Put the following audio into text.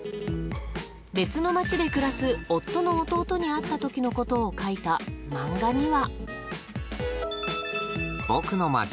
別の町で暮らす夫の弟にあった時のことを描いた漫画には。